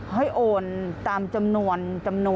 ให้โอนตามจำนวน